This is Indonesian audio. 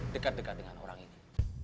dekat dekat dengan orang ini